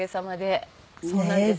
はいそうなんです。